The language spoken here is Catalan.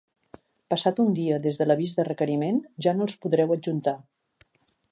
Passat un dia des de l'avís de requeriment, ja no els podreu adjuntar.